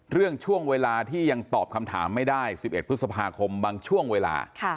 ช่วงเวลาที่ยังตอบคำถามไม่ได้๑๑พฤษภาคมบางช่วงเวลา